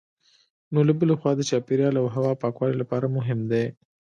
نو له بلې خوا د چاپېریال او هوا پاکوالي لپاره مهم دي.